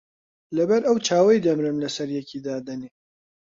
لەبەر ئەو چاوەی دەمرم لەسەر یەکی دادەنێ